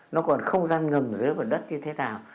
nó còn không gian ngầm dưới mặt đất như thế nào